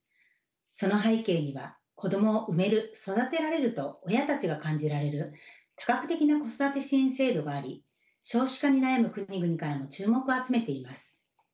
その背景には子どもを産める育てられると親たちが感じられる多角的な子育て支援制度があり少子化に悩む国々からの注目を集めています。